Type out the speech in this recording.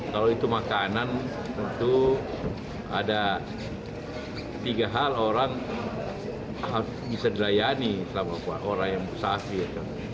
kalau itu makanan tentu ada tiga hal orang bisa dirayani sama orang yang musafir